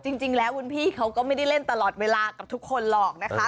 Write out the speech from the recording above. จริงแล้วคุณพี่เขาก็ไม่ได้เล่นตลอดเวลากับทุกคนหรอกนะคะ